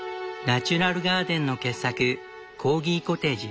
ナチュラルガーデンの傑作コーギコテージ。